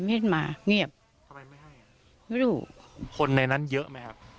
ไม่เห็นมาเงียบไม่รู้คนในนั้นเยอะไหมครับ